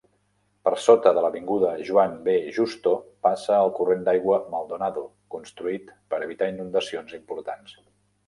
Per sota de l'avinguda Juan B. Justo passa el corrent d'aigua Maldonado, construït per evitar inundacions importants.